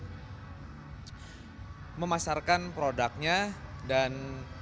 hai memasarkan produknya dan